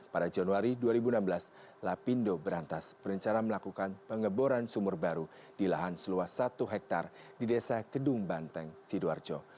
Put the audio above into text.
pada januari dua ribu enam belas lapindo berantas berencana melakukan pengeboran sumur baru di lahan seluas satu hektare di desa kedung banteng sidoarjo